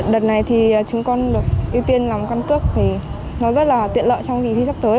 đợt này thì chúng con được ưu tiên làm căn cước thì nó rất là tiện lợi trong kỳ thi sắp tới